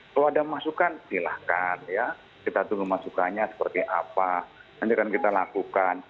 kalau ada masukan silahkan ya kita tunggu masukannya seperti apa nanti akan kita lakukan